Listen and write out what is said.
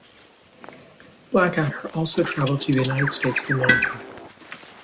Blackadder also traveled to the United States of America.